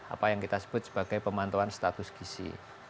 apa yang kita sebut sebagai pemantuan status gizi